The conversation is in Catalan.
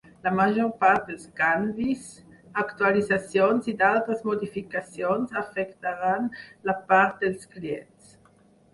La major part dels canvis, actualitzacions i d'altres modificacions afectaran la part dels clients.